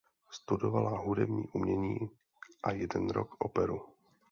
Studovala hudební umění a jeden rok operu.